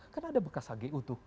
kan ada bekas hgu tuh